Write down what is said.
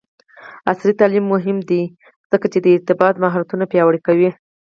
عصري تعلیم مهم دی ځکه چې د ارتباط مهارتونه پیاوړی کوي.